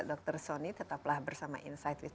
dr sony tetaplah bersama insight with